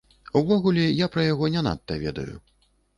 Увогуле, я пра яго не надта ведаю.